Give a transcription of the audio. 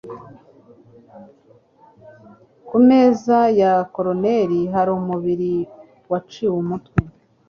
ku meza ya coroner hari umubiri waciwe umutwe